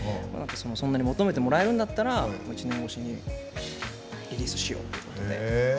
そんなに求めてもらえるんだったら１年越しにリリースしようということで。